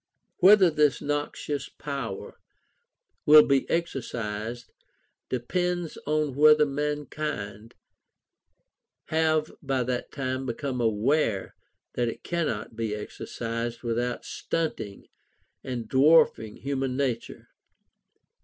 Whether this noxious power will be exercised, depends on whether mankind have by that time become aware that it cannot be exercised without stunting and dwarfing human nature.